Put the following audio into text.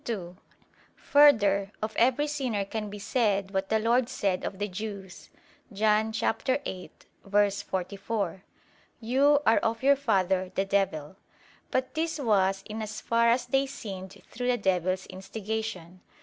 2: Further, of every sinner can be said what the Lord said of the Jews (John 8:44): "You are of your father the devil." But this was in as far as they sinned through the devil's instigation.